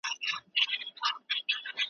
ته به مي سلګۍ سلګۍ کفن په اوښکو وګنډې `